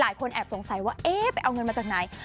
หลายคนแอบสงสัยว่าเอ๊ะไปเอาเงินมาจากไหน